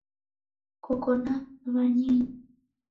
Koko na wanyinyu?